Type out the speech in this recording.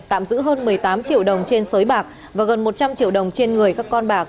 tạm giữ hơn một mươi tám triệu đồng trên sới bạc và gần một trăm linh triệu đồng trên người các con bạc